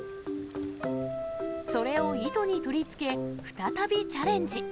それを糸に取り付け、再びチャレンジ。